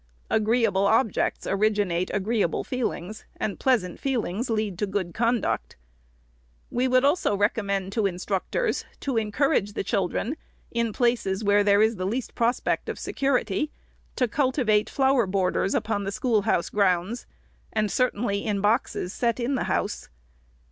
Agreeable objects originate agreeable feelings. and pleasant feelings lead to good conduct. We would also recommend to instructors to encourage the children, in places where there is the least prospect of security, to cultivate flower borders upon the schoolhouse grounds, and certainly in boxes set in the house.